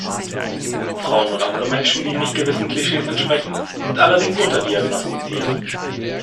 Frauen und andere Menschen, die nicht gewissen Klischees entsprechen, sind allerdings unterdiagnostiziert.